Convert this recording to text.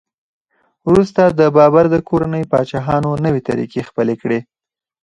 وروسته د بابر د کورنۍ پاچاهانو نوې طریقې خپلې کړې.